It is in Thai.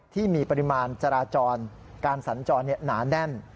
ที่มีปริมาณจราจรการสัญจรหนาแน่น